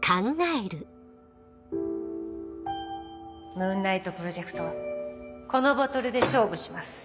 ムーンナイトプロジェクトはこのボトルで勝負します